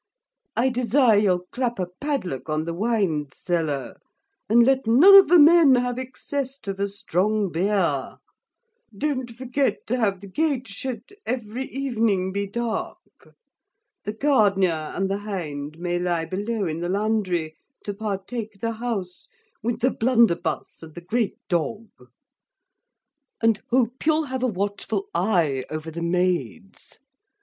I desire you'll clap a pad luck on the wind seller, and let none of the men have excess to the strong bear don't forget to have the gate shit every evening be dark The gardnir and the hind may lie below in the landry, to partake the house, with the blunderbuss and the great dog; and hope you'll have a watchful eye over the maids.